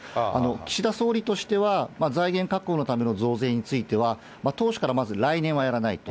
岸田総理としては、財源確保のための増税については、当初からまず来年はやらないと。